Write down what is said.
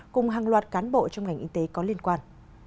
cùng hàng loạt cán bộ trong ngành y tế có liên quan